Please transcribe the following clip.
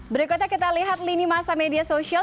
berikutnya kita lihat lini masa media sosial